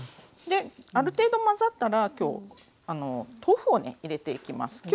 である程度混ざったら今日豆腐をね入れていきます。